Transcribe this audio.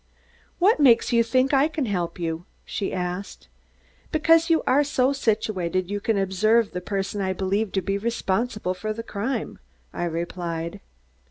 "What makes you think I can help you?" she asked. "Because you are so situated you can observe the person I believe to be responsible for the crime," I replied.